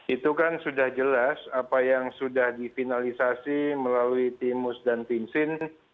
itu kan sudah jelas apa yang sudah difinalisasi melalui timus dan binsin